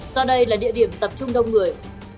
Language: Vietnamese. do đây là địa điểm tập trung đông người